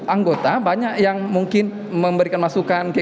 anggota banyak yang mungkin memberikan masukan